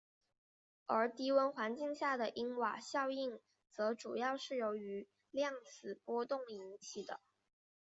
而低温环境下的因瓦效应则主要是由于量子波动引起的。